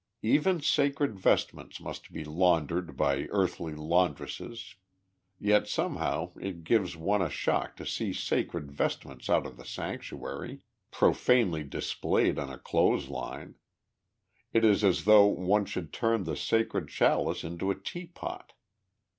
Even sacred vestments must be laundered by earthly laundresses, yet somehow it gives one a shock to see sacred vestments out of the sanctuary, profanely displayed on a clothes line. It is as though one should turn the sacred chalice into a tea pot.